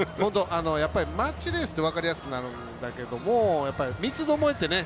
マッチレースって分かりやすくなるんだけど三つどもえってね。